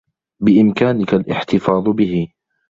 بإمكانك الاحتفاظ به.